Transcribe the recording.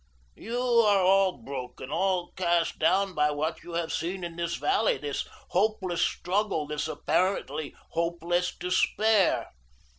You are all broken, all cast down by what you have seen in this valley, this hopeless struggle, this apparently hopeless despair.